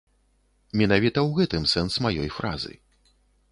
Менавіта ў гэтым сэнс маёй фразы.